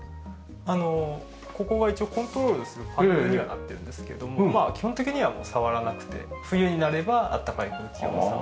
あのここが一応コントロールするパネルにはなってるんですけどもまあ基本的にはもう触らなくて冬になれば暖かい空気を。